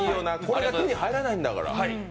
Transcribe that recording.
これ手に入らないんだから。